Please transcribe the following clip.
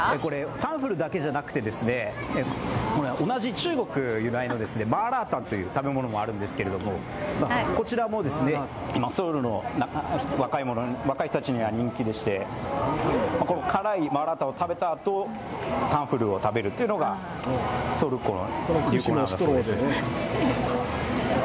タンフルだけじゃなくて、同じ中国由来のマーラータンという食べ物もあるんですけど、こちらも、今、ソウルの若い人たちには人気でして辛いマーラータンを食べたあとタンフルを食べるというのがソウルっ子の流行なんだそうです。